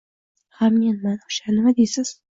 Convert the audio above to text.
– Ha, menman o‘sha! Nima deysiz?!